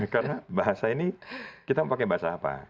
karena bahasa ini kita pakai bahasa apa